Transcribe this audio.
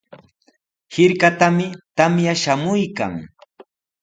Hirkatami tamya shamuykan.